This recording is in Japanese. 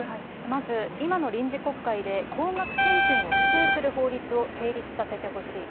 まず、今の臨時国会で高額献金を規制する法律を成立させてほしい。